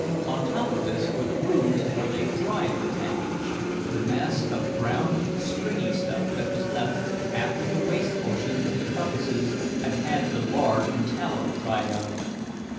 On top of this were the rooms where they dried the "tankage," the mass of brown stringy stuff that was left after the waste portions of the carcasses had had the lard and tallow dried out of them.